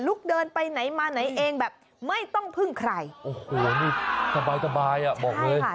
เดินไปไหนมาไหนเองแบบไม่ต้องพึ่งใครโอ้โหนี่สบายอ่ะบอกเลย